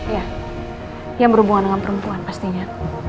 ya yang berhubungan dengan perempuan pastinya